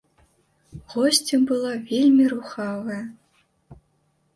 Госця была вельмі рухавая.